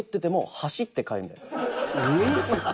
えっ！？